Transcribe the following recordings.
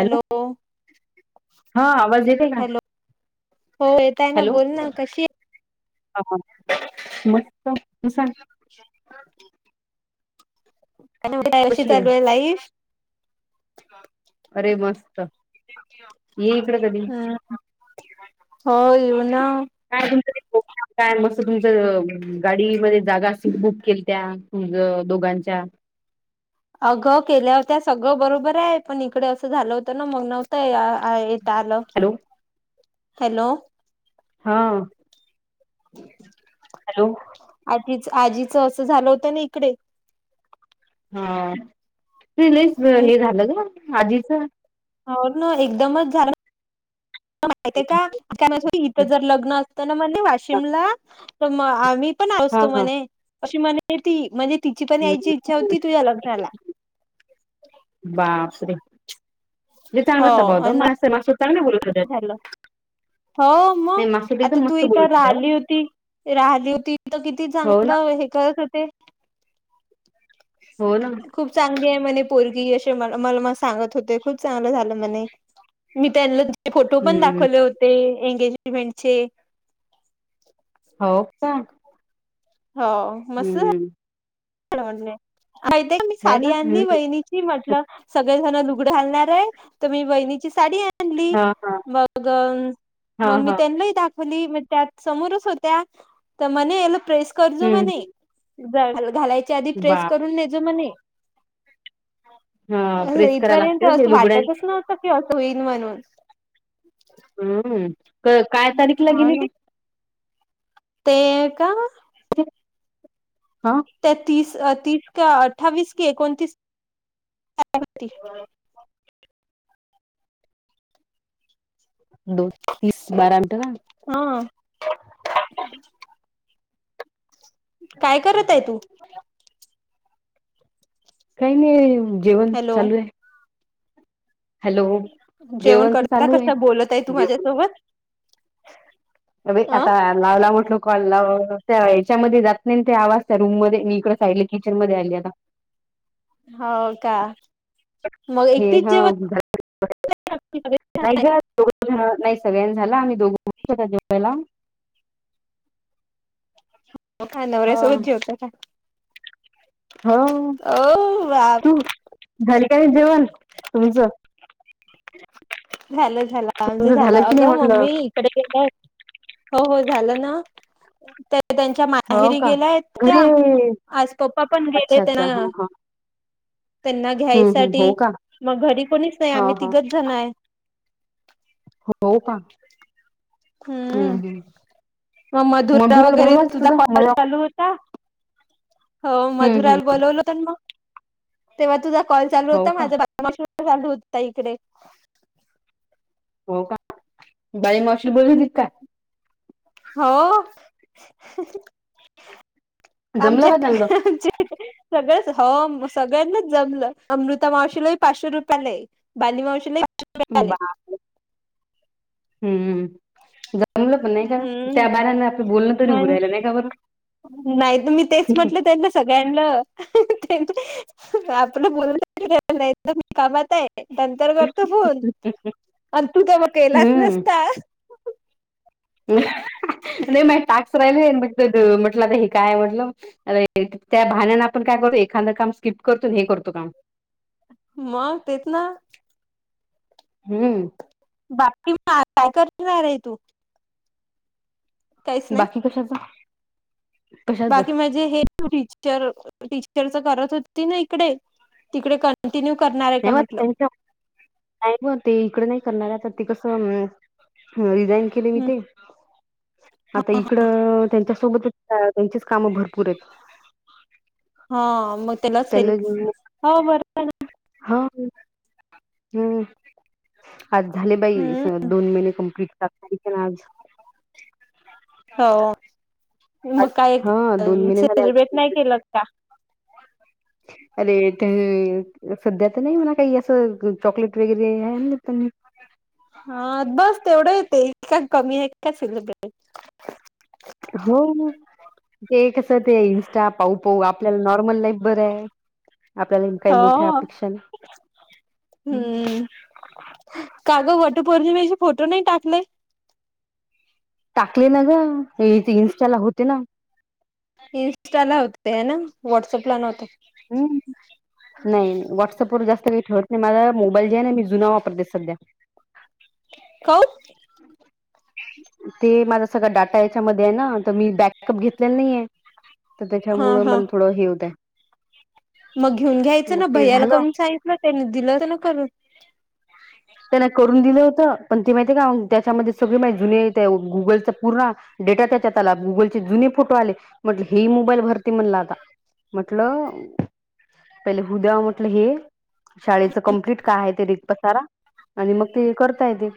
Hello, हा आवाज येते का हॅलो हो येतय ना हॅलो बोल ना कशी हा मस्त. सांग [inaudible] आणि म काय कशी चालू आहे लाईफ? ते मस्त. ये इकडे कधी हम् हो येऊ ना. काय तुमचं ते्रम काय मस्त तुमचं गाडीमध्ये जागा सीट बुक केलत्या तुमच दोघांच्या. अगं केल्या होत्या सगळं बरोबर आय पण इकडे असं झालं होतं ना मग नव्हतं अ येत आलं. हॅलो हॅलो, हा हॅलो आजीच आजीच असं झालं होतं ना इकडे, हा त लस हम्म हे झालं ग आजीच हो ना एकदमच झालं माहिते का इथं जर लग्न तन म्हणे हा वाशिमला त मं आ मी पण हा आसतो हा. म्हणे, अशी म्हणे ती म्हजे तिची पण हम्म. यायची इच्छा होती तुह्या लग्नाला जितांगड स बवो हो मासे मा सतांंगणे झालं बरत [unintelligible] हो मग आता तू बोलत इथं होत्या हो राहली होती- ती राहली होती त किती हो ना चांगलं हे करत होते? हो ना खूप चांगली आहे म्हणे पोरगी ते मला मला मं सांगत होते खुप चांगल झालं म्हणे, मी त्यान्ला ते फोटो पण हम्म दाखवले होते एंगेजमेंटचे. हो का, हो मस्त आहे. हम्म म्हट मा मी हे ना साडी आणली हम्म बहिणीची म्हटलं, सगळे जण लुगड घालणार आहे तर मी बहिणीची साडी ली हा हा मग हा, मग मी हा. त्यांनाही दा खली म त्यात समोरच होत्या तर म्हणे याला प्रेस करजो हम्म. म्हणे, घालायच्या आधी प्रेस बाप करून ने जो म्हणे, हा प्रेस कराला इथपर्यंत लागते ते असं लुगड्या वाटतच नव्हतं की असं होईल म्हणून हम्म काय तारीखला हा गेली ना ते ते का? ते! त्या तीस, तीस, का अठ्ठावीस की एकोणतीस [unintelligible] दो, तीस, बारा. का? हा! काय करत आहे तू. काही नाही जेवण हॅलो चालू आहे. हॅलो! जेवण तर करता चालू आहे. कस बोलत आहे तू माझ्यासोबत? अ बई आता लावला म्हटलो कॉल लाव अ त्या याच्यामध्ये जात नाही ते आवाज त्या रूम मध्ये, मी इकड साईड किचन मध्ये आली आता हो का मग हे एकटीच ह जेवत नाही ग द नाही सगळ्यांनी झालं आम्ही दोघ त्यावला [unintelligible] [inaudible] हो का नवऱ्यासोबत जेवता का? हो ओ बाप तू घरी काही जेवण तुमचं? झालं, झालं आमचं तुमचं झालं की नाही अगं म्हटलं? मम्मी इकडे गेलाय हो हो झालं ना त ते त्यांच्या हो माहेरी का गेल्याय त्या घरी आज पप्पा पण गेले अच्छा अच्छा त्यांना हा हा त्यांना हम्म हम्म हो घ्यायसाठी का मग घरी कोणीच नाही, हा आम्ही हा तिघच जन आहे. हो का हूं हम्म हूं. मग मधुरा वगैरे तुझा कॉल मला चालू होता हो हम्म हम्म मधुराल बोलवल. तण म तेव्हा तुझा कॉल चालू हो होता का माझ चालू होता इकडे हो का बाई मावशी बोली होती की काय. [inaudible] जमलं आमच्या का चांगलं आमचे सगळ हो म सगळ्यांना जमलं, अमृता मावशीलाही पाचशे रुपे आले, बाली मावशीला ले. [unintelligible] हम् जमलं पण नाही का त्या बाऱने आपले बोलण. आणि नाही तर मी तेच म्हटलं त्यां ना सगळ्यांना. आपलं बोल नाही तर मी कामात आहे. नंतर करतो फोन आणि तू तर मग केलाच नसता. ह. नाही मा टाकस राहिल म्हटलं आता हे काय म्हटलं त्या भाण्यान आपण काय. यतो एखाद काम स्किप करतो हे करतो काम. मग तेतना. हम्म. बापती म काय करणार आहे तू काहीच नाही बाकी कश्याच. बाकी म्हणजे हे तू टीचर टीचरच करत होती ना इकडे तिकडे कंटिन्यू करणार आहे का नाही म म्हटलं त्यांच्या नाही म ते इकड नाही करणार आता ते कसं मं ह रिझाईन केले मी ते आता इकड त्यांच्या सोबतच त्यां त्यांचीच काम भरपूर आहेत हा मग त्यालाच त्यांना हेल्प हो हा हूं! आज झाले बाई बरं दोन महिने कम्प्लीटात आज. [unintelligible] हो! मग आज काय हा दोन महिने झाले आज सेलेब्रेट नाही केलं का? [inaudible] अरे त्यानं सध्या तर नाही म्हणा काही असं चॉकलेट वगैरे आहे ना त्यांनी हा बस तेवढं येत काय कमी आहे काय सिलेब्रेस. हो ते कस ते इंस्टा पाऊ पाऊ. आपल्याला नॉर्मल लाईफ बरं आहे. आपल्याला काही हो. मोठ्या अपेक्षा ना ह. काग वटूप वरज मीे फोटो नाही टाकले. टाकले ना ग हे ते इनस्टाला होते ना. इं्स्टा ला होते ना व्हॉट्सअपला नव्हत. हम् नाही नाही व्हॉट्सअप वर जास्त काही ठवत. मला मोबाईल जे आहे ना मी जुना वापरते सध्या. कत. ते माझ सगळ डाटा याच्यामध्ये आहे ना तर मी बक. प घेतलेला नाहीय तर हा त्याच्यामुळं हा मला थोडं हे होतय. मग घेऊन घ्यायचं मग ना ते भैयाला झालं करून सांयित ना त्याने दिलं तर ना करून. त्यांना करून दिलं होतं पण ते माहिती आहे का त्याच्यामध्ये सगळे माहि जुने गुगलचा पूर्ण. डेटा त्याच्यात आला गुगलचे जुने फोटो आले म्हटले हे मोबाईल भरते म्हणलं आता. म्हटलं. पहिले हुद्या म्हटलं हे शाळेच कं्प्लीट काय आहे ते रीत पसारा. आणि मग ते करता येते.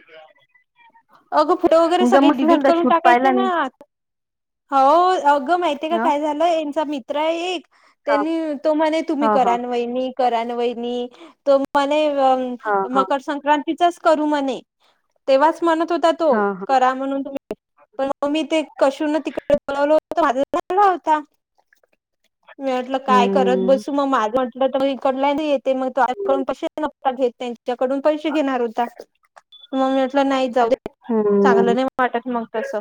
अगं फोटो वगैरे तुमचा सगळे मस्त डिलीट झालता करून शूट टाकायचे पाहिला ना मी आता. हो अघं माहितीय ह काय झालं. मित हा म्ह तुम्ही हा हा करा. व म हा हा मकर संक्रां. तेव्हा म. हो तो हा करा म्हणून् पण मग मी ते कशून तिकडेल. तोझलाला होता. मी म्हटलं काय करत हम्म. बसू मग माझट. मग इकडला नाही येते मग तो आकडून पैसे नक घेत त्यांच्याकडून पैसे घेणार होता. मग म्हटलं नाही जाऊ हम्म. चांगलं नाही वाटत मग तस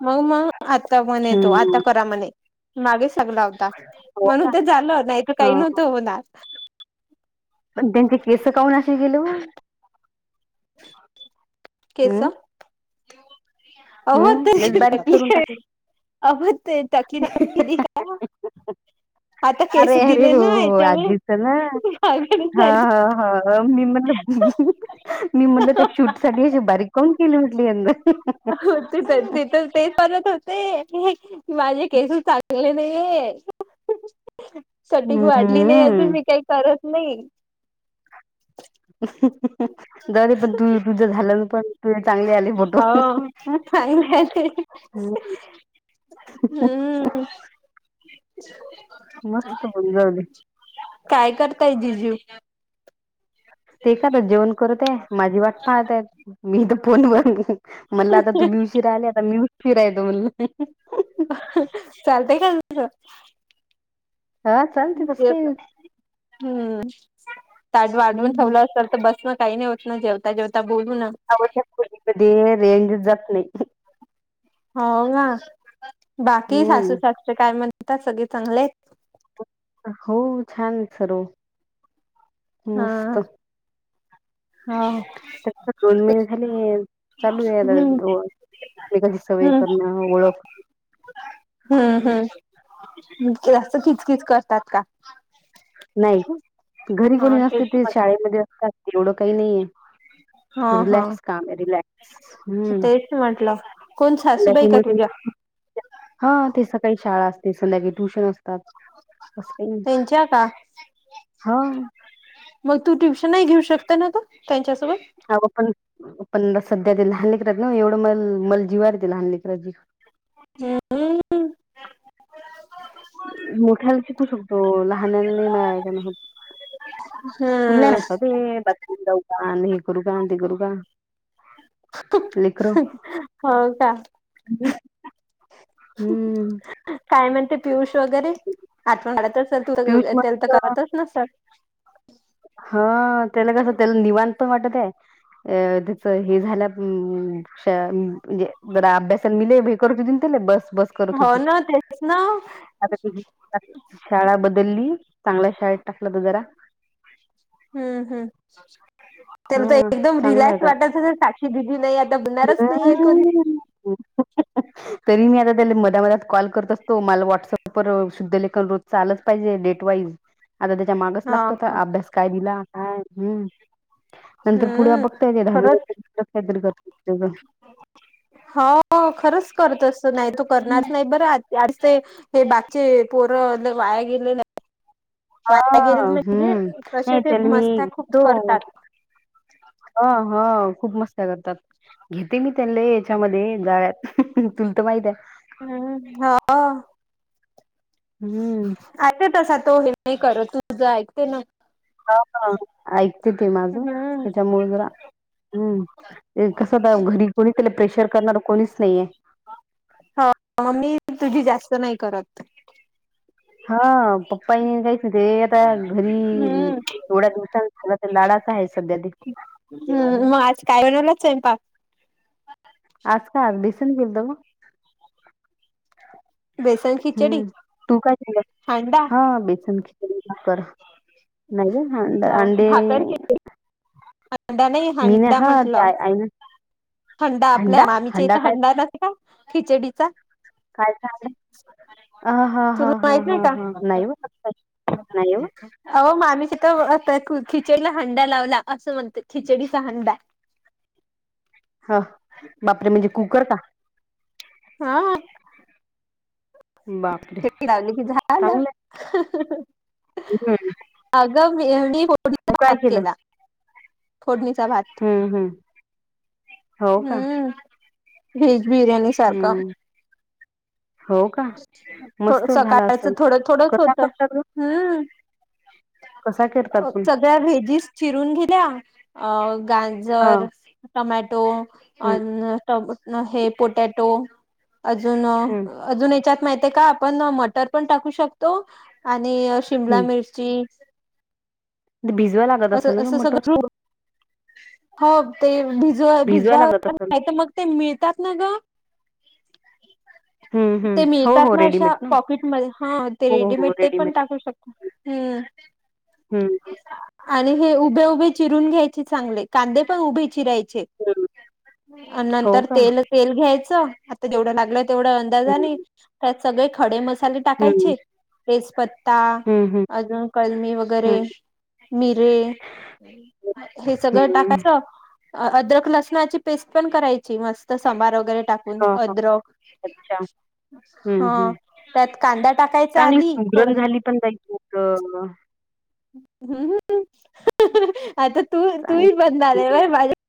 म्हणून मग आता म्हणे तो आता हम्म. करा म्हणे मागे सगळा. हो का? म्हणून ते झाल नाही तर काही हां. नव्हतं होणार. पण त्यांचे केस काऊन असे केले हो. केस अहो हं. लईच बारीक करून टाकले. ते [unintelligible] [unintelligible] केस अरे अरे दिले हो ना हो याच्यामुळे आजीच ला मागेच हा झाली हा ह म मी म्हटलं. मी मुणलं त्या शूट साठी अशी बारी कोम केली म्हटली यांन [unintelligible] तेच हाय [unintelligible] ते तर ते. [unintelligible] हो माझे केसच चांगले नाही ये. कटिंग वाढली नाही अजून हम्म. मी काही करत नाही. दर पण तू दुध झालं ना पण. तुझे चांगले आले फोटो. हो हं. का ते. हम्म. मस्त पण जाऊदे. काय करताय जीजू. ते काय आता जेवण करत आहे माझी वाट पाहतय मी तर फोन ब म्हणल आता तू मी उशीराले आता मी उशीराय तो म्हणला. चालतय का तुझ? हा चालते तसं काही नाही आता. हम्म ताठ वाडवून हम्म ठेवलं असेल तर बस न काही नाही होत ना जेवता जेवता बोलू ना. [unintelligible] अवश कधी कधी रेंज जात नाही. हो ना, बाकी हम्म. सासू सासू काय म्हण? आता सगळे चांगले आहेत. हो छान सर्व मस्त. हा हो त्या दोन महिने झाले. चालू आहे [unintelligible] हम्म एकमेकांची सय हम्म करण ओळख. हम्म हम्म जास्त खिच खिच करतात का? नाही ग घरी हा कोणी नसते तेच ते म्हटलं शाळेमध्ये, असतात एवढं काही नाहीे हे. हा हा रिलॅक्स का काम रिलॅक्स हम्म. तेच म्हटलं कोण सासूबाई का तुझ्या? हा ते सकाळी शाळा असते संध्याकाळी. ट्युशन असतात अस काही नाही. त्यांच्या का मग तू ट्युशन नाही घेऊ शकते ना, ग त्यांच्यासोबत? हा व पण पण सध्या ते लहानलीलेकरात ना, एवढं म मल जीवा ते लहान ललेकरात ची. हम्म हम्म. मोठ्याला शिकू शकतो लहानांनी [unintelligible] मळा नत. हम्म फुलनगत [unintelligible] ते ब [unintelligible] हे करू का ते करू का लेकरं हो का? [inaudible] हम्म काय म्हणते पियुष वगैरे आठवण काढतच तु पियुष [unintelligible] आता मस्त करमतच नसेल. हा त्याला कस त्याला निवांत वाटत आहे. अ त्याच हे झालं अम्म च म्हणजे जरा अभ्यासात मिले हे [unintelligible] कर शधन त्याला बस. बस करत हो होती ना तेच ना आता तुझी शाळा बदलली. चांगल्या शाळेत टाकलं त जरा. हम्म हम्म. त्याला तर हा एकदम चांगलं रिलॅक्स आता वाटायचं, साक्षी दिदी नाही आता बनणारच नाही आहे कधी. [inaudible] तरी मी आता त्या मध मधात कॉल करत असतो, मला व्हॉट्सअप वर शुद्ध लेखन रोजच आलच पाहिजे डेट ईज आता त्याच्या मागच हा लागतो. हा अभ्यास काय दिला काय हम्म. नंतर पुढे हम्म बघता येत दहावी नंत [unintelligible] र काहीतरी करत. [inaudible] त्या ते हे बागचे पोर वाया गेले नाही. हा वाया हम्म कसे नाही ते चल मी मस्त्या खूप तो करतात हा हा खूप मस्त तात घेते मी त्यांले याच्यामध्ये जाळ्यात तुल तर माहित आहे. हम्म हा हम्म तसा तो हे नाही करत. तुझ ऐकते ना... हा हा ऐकते ते माझं हम्म त्याच्या मुळे हम्म, कस तर घरी कोणी त्याला प्रेशर करणार कोणीच नाहीये. ह मग मी तुझी जास्त नाही करत. हा पप्पा ही काहीच नाही ते आता घरी हम्म एवढ्या दिवसान झान ता लाडात. [unintelligible] आहे सध्या ते हम्म मग आज काय बनवला सैपांक. [unintelligible] आज का आज बिसन [unintelligible] गेलतव बेसन खिचडी हम्म तू काय झालं हांडा हा बेसन खिचडी न कर नाही ह अंड हो अंडी भाकर नाही. हांडा नाही मीन हांडा हा ते म्हटलं आईन हंडा आपल्या आम्मीच्या हंडा इथं काय हंडात [unintelligible] का खिचडीचा. काय सांगलं. तु माहित नाही का नाही व नाही व आवो मामी खिचडीला हंडा लावला असं म्हणत खिचडीचा हंडा ह बापरे म्हणजे कुकर का? हा बापरे शे लावली की झालं चांगलं हम्म अग तू मीडीत काय केलं? केला. फोडणीचा भात, हम्म हम्म हो का? हम्म व्हेज बिर्याणी सारखा हम्म हो का? मस्त झाला सकाळच असेल. थोडं थोडच कसा होत करतात गं? हम्म कसा करतात पण? सगळ्या भेजीस चिरून घेल्या गाजर, हां. टमॅटो हं, अ हे पोटॅटो अजून हं, त्याच्यात माहितीे का आपण मटर पण टाकू शकतो आणि शिमला हं. मिरची ते भिजवा लागत असेल असं ना गं असं मटर? सगळं हो ते भिजवा भिजवा लागत असेल. नाही तर मग ते मिळतात ना गं.. हम्म ते मिळतात ना अशा पॉकेटमध्ये हा ते हो, हो रेडीमेड ते पण टाकू शकतो् हम्म आणि हे उभे उभे चिरून घ्यायचे चांगले कांदे पण उभे चिरायचे. हं. हो नंतर का? तेल तेल घ्यायचं आता जेवढ लागल, तेवढा हं, अंदाजाने त्यात सगळे खडे मसाले हं. टाकायचे रेसपत् ता हं, हं, हं. अजून कलमी हं. वगैरे मिरे हे सगळं टाकायचं. अद्रक लसणाची पेस्ट पण करायची मस्त सांबार वगैरे टाकून हां, हां. अद्रक अच्छा. हं, हा हं. त्यात कांदा टाकायचा चांगली आधी थोड सुगरण झाली पण बाई तू तर. ह्म आता तू तूही चांगली पण झालं बर माझ्या